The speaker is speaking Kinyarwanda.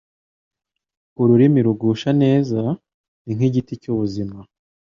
Ururimi rugusha neza ni nk’igiti cy’ubuzima